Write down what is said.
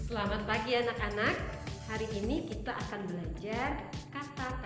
selamat pagi anak anak hari ini kita akan belajar kata kata